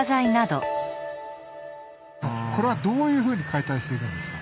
これはどういうふうに解体していくんですか？